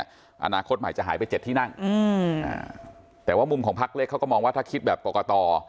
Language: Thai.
อนาคตใหม่จะหายไปเจ็ดที่นั่งอืมอ่าแต่ว่ามุมของพักเล็กเขาก็มองว่าถ้าคิดแบบกรกต